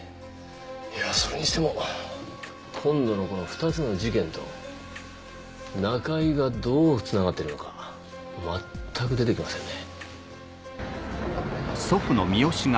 いやぁそれにしても今度のこの２つの事件と中井がどうつながってるのか全く出てきませんね